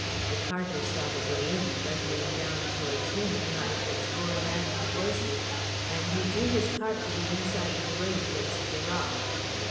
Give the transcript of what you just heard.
The carter saw the berlin thundering down towards him behind its four maddened horses, and he drew his cart to the inside of the road against the rock.